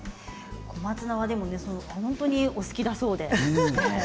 小松菜は本当にお好きだそうで。